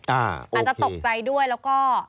อาจจะตกใจด้วยแล้วก็